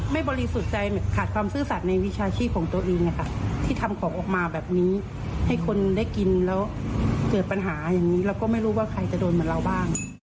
บริสุทธิ์ใจหรือขาดความซื่อสัตว์ในวิชาชีพของตัวเองที่ทำของออกมาแบบนี้ให้คนได้กินแล้วเกิดปัญหาอย่างนี้เราก็ไม่รู้ว่าใครจะโดนเหมือนเราบ้าง